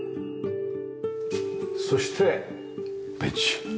そしてベンチ。